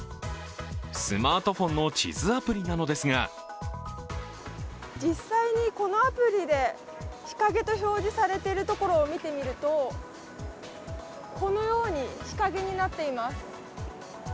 スマートフォンの地図アプリなのですが実際にこのアプリで「日陰」と表示されているところを見てみるとこのように日陰になっています。